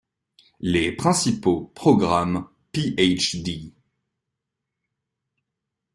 Les principaux programmes Ph.D.